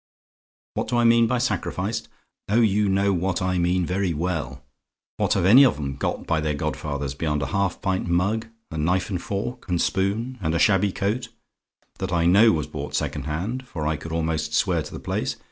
"WHAT DO I MEAN BY SACRIFICED? "Oh, you know what I mean very well. What have any of 'em got by their godfathers beyond a half pint mug, a knife and fork, and spoon and a shabby coat, that I know was bought second hand, for I could almost swear to the place?